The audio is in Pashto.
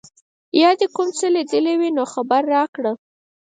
یا دي کوم څه لیدلي وي نو خبر راکړه.